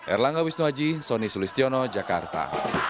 erlangga wisnuwaji sonny sulistiono jakarta